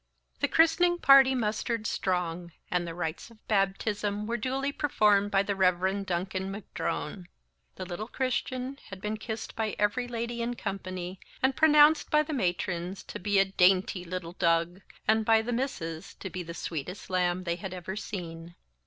The christening party mustered strong; and the rites of baptism were duly performed by the Rev. Duncan M'Drone. The little Christian had been kissed by every lady in company, and pronounced by the matrons to be "a dainty little doug!" and by the misses to be "the sweetest lamb they had ever seen!"